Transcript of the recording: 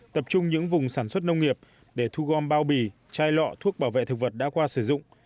tập trung những vùng sản xuất nông nghiệp để thu gom bao bì chai lọ thuốc bảo vệ thực vật đã qua sử dụng